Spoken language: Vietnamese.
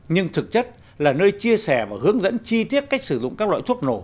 nhưng thực chất là nơi chia sẻ và hướng dẫn chi tiết cách sử dụng các loại thuốc nổ